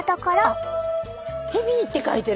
あっヘビーって書いてる。